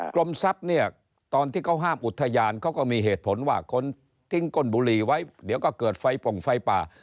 กรมทรัพย์เนี่ยตอนที่เขาห้ามอุทยานเขาก็มีเหตุผลว่าคนทิ้งก้นบุหรี่ไว้เดี๋ยวก็เกิดไฟป่งไฟป่า